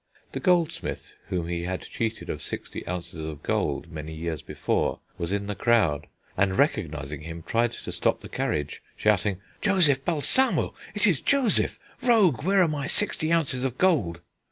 The goldsmith whom he had cheated of sixty ounces of gold many years before was in the crowd, and, recognising him, tried to stop the carriage, shouting: "Joseph Balsamo! It is Joseph! Rogue, where are my sixty ounces of gold?"